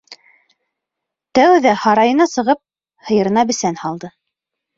Тәүҙә һарайына сығып һыйырына бесән һалды.